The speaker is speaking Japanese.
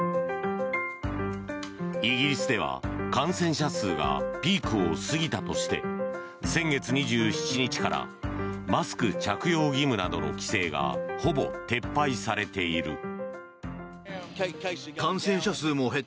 イギリスでは感染者数がピークを過ぎたとして先月２７日からマスク着用義務などの規制がほぼ撤廃されている。